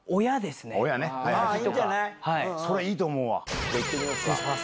それいいと思うわ。